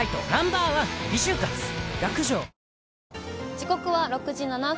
時刻は６時７分。